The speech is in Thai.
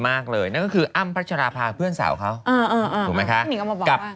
มากเลยแล้วก็คืออ่ามพะชะลาภาคเพื่อนสาวเขาอ่ากับ